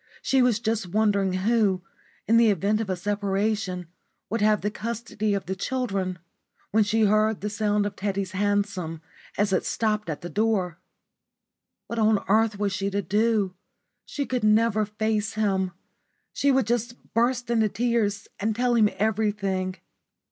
She was just wondering who, in the event of a separation, would have the custody of the children, when she heard the sound of Teddy's hansom as it stopped at the door. What on earth was she to do? She could never face him. She would just burst into tears and tell him everything.